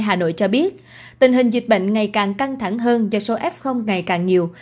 hà nội cho biết tình hình dịch bệnh ngày càng căng thẳng hơn do số f ngày càng nhiều